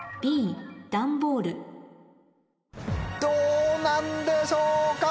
どうなんでしょうか？